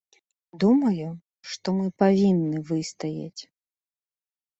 Думаю, што мы павінны выстаяць.